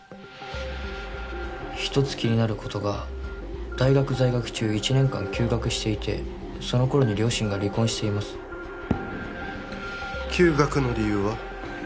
一つ気になることが大学在学中１年間休学していてその頃に両親が離婚しています休学の理由は？